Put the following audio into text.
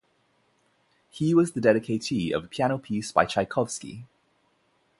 He was the dedicatee of a piano piece by Tchaikovsky.